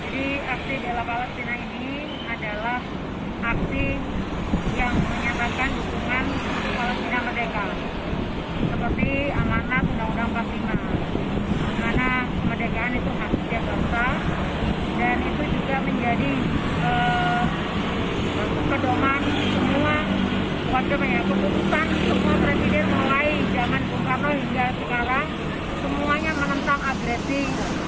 semua presiden mulai zaman bukarto hingga sekarang semuanya menentang agresi israel kepada palestina